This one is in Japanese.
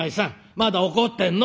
まだ怒ってんの？」。